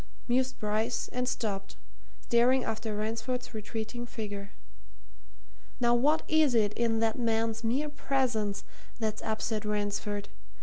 mused Bryce, and stopped, staring after Ransford's retreating figure. "Now what is it in that man's mere presence that's upset Ransford?